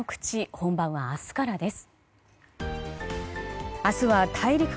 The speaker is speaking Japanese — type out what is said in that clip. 本番は明日からです。